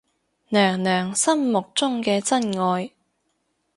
娘娘心目中嘅真愛